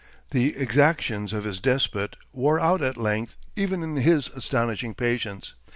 The exactions of his despot wore out at length even his astonishing patience.